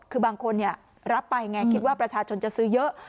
คือบางคนรับไปไงคิดว่าประชาชนจะซื้อเยอะ